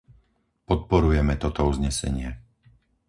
Podporujeme toto uznesenie.